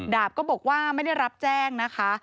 ดาบก็บอกว่าไม่ได้รับแจ้งนะคะ